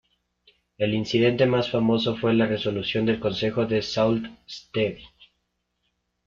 El incidente más famoso fue la resolución del consejo de Sault Ste.